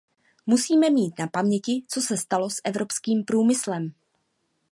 Musíme mít na paměti, co se stalo s evropským průmyslem.